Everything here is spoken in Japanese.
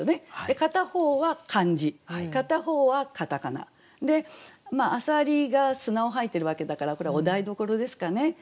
片方は漢字片方は片仮名。で浅蜊が砂を吐いてるわけだからこれはお台所ですかね。